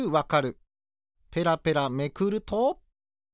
ペラペラめくると。